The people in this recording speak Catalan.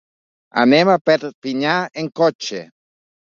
Anem a Perpinyà en cotxe.